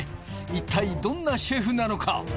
いったいどんなシェフなのか？